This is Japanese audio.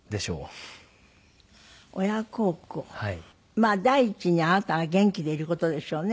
まあ第一にあなたが元気でいる事でしょうね。